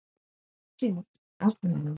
ミギー